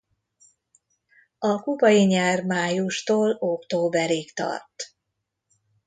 A kubai nyár májustól októberig tart.